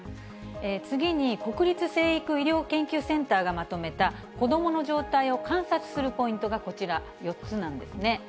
次に、国立成育医療研究センターがまとめた、子どもの状態を観察するポイントがこちら、４つなんですね。